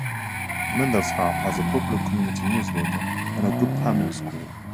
Mendlesham has a popular community newsletter, and a good primary school.